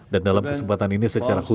dan dalam kesempatan ini secara khusus